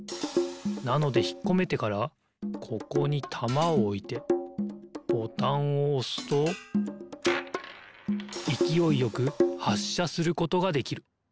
なのでひっこめてからここにたまをおいてボタンをおすといきおいよくはっしゃすることができる。